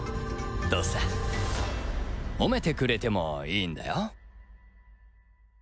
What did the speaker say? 褒めてくれてもいいんだよ？